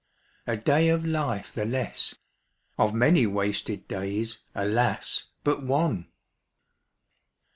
A day of life the less; Of many wasted days, alas, but one!